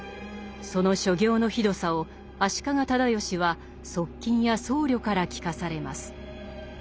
その所業のひどさを足利直義は側近や僧侶から聞かされます。